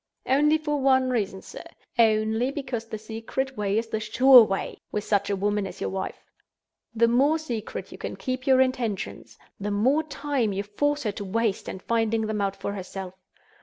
Only for one reason, sir. Only because the secret way is the sure way, with such a woman as your wife. The more secret you can keep your intentions, the more time you force her to waste in finding them out for herself.